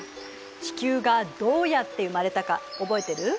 地球がどうやって生まれたか覚えてる？